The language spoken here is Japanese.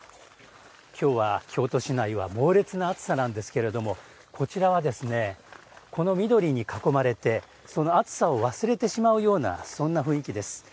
今日は京都市内は猛烈な暑さなんですけれどもこちらはこの緑に囲まれてその暑さを忘れてしまうようなそんな雰囲気です。